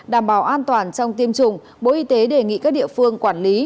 đảm bảo an toàn trong tiêm chủng bộ y tế đề nghị các địa phương quản lý